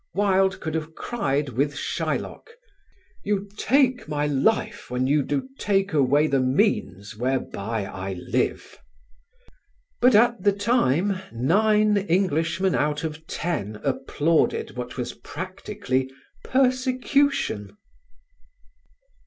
Wilde could have cried, with Shylock, "You take my life when you do take away the means whereby I live." But at the time nine Englishmen out of ten applauded what was practically persecution.